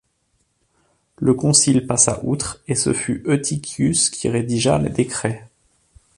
Le concile passa outre, et ce fut Eutychius qui rédigea les décrets.